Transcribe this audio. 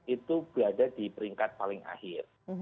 itu berada di peringkat paling akhir